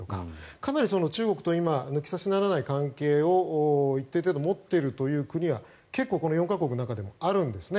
かなり中国と今抜き差しならない関係を一定程度、持っているという国は４か国の中でもあるんですね。